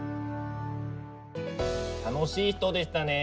楽しい人でしたね。